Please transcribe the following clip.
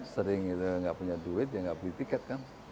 sering itu gak punya duit dia gak beli tiket kan